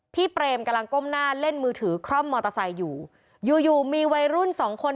เปรมกำลังก้มหน้าเล่นมือถือคร่อมมอเตอร์ไซค์อยู่อยู่มีวัยรุ่นสองคน